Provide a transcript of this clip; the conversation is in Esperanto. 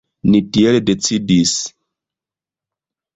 Ni tiel decidis.